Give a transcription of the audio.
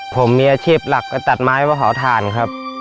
ผมมีอาชีพหลักไปตัดไม้มาเผาถ่านครับ